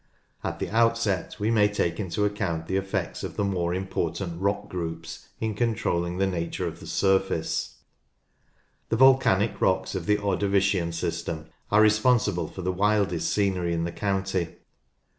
At the outset we may take into account the effects of 62 NORTH LANCASHIRE the more important rock groups in controlling the nature of the surface. The volcanic rocks of the Ordovician system are responsible for the wildest scenery in the county.